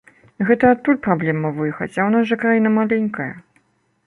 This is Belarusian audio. Гэта адтуль праблема выехаць, а ў нас жа краіна маленькая.